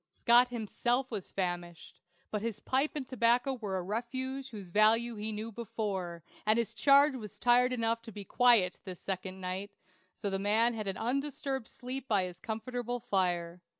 Scott himself was famished; but his pipe and tobacco were a refuge whose value he knew before, and his charge was tired enough to be quiet this second night; so the man had an undisturbed sleep by his comfortable fire.